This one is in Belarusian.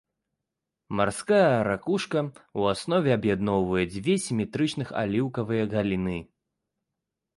Марская ракушка ў аснове аб'ядноўвае дзве сіметрычных аліўкавыя галіны.